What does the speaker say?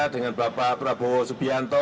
dengan bapak prabowo subianto